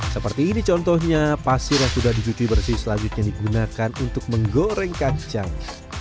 seperti ini contohnya pasir yang sudah dicuci bersih selanjutnya digunakan untuk menggoreng kacang